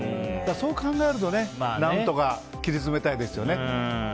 そう考えると何んとか切りつめたいですね。